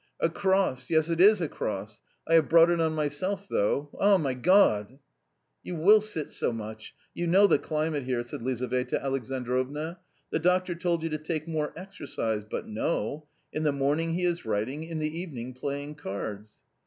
A cross, yes, it is a cross; I have brought it on myself though ! Ah, my God 1 "" You will sit so much ; you know the climate here," said Lizaveta Alexandrovna. "The doctor told you to take more exercise, but no ; in the morning he is writing, in the even ing playing cards."